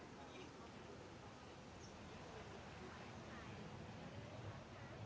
สวัสดีครับทุกคน